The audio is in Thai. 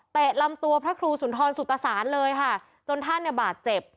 ลำตัวพระครูสุนทรสุตศาลเลยค่ะจนท่านเนี่ยบาดเจ็บ